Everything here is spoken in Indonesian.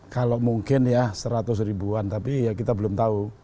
kalau mungkin ya seratus ribuan tapi ya kita belum tahu